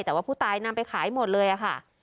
แต่ว่าผู้ตายนำไปขายหมดเลยค่ะ